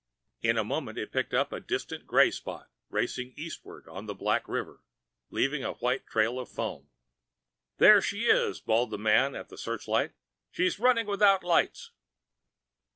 In a moment it picked up a distant gray spot racing eastward on the black river, leaving a white trail of foam. "There she is!" bawled the man at the searchlight. "She's running without lights!"